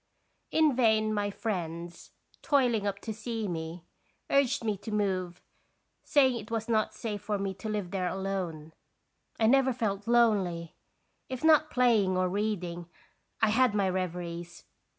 In vain my friends, toiling up to see me, urged me to move, saying it was not safe for me to live there alone. I never felt lonely. If not playing or reading, I had my reveries.